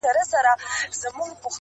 • بله ډله وايي سخت فهم دی..